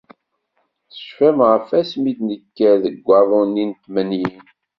Tecfam ɣef wasmi i d-nekker deg waḍu-nni n tmanyin.